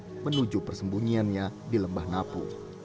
pertanyaan terakhir bagaimana persembunyiannya di lembah napu